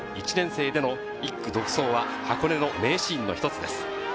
１年生での１区独走は箱根の名シーンの一つです。